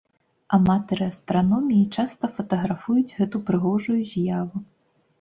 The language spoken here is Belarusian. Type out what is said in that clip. Аматары астраноміі часта фатаграфуюць гэту прыгожую з'яву.